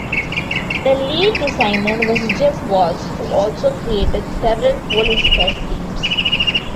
The lead designer was Jim Walls, who also created several "Police Quest" games.